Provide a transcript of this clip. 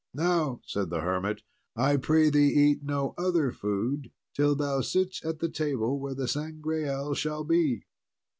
"Now," said the hermit, "I pray thee eat no other food till thou sit at the table where the Sangreal shall be."